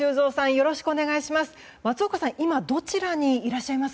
よろしくお願いします。